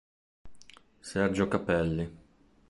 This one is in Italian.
Sergio Cappelli